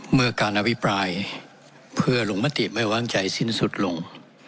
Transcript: เมื่อการอภิปรายเพื่อลงมติไม่วางใจสิ้นสุดลง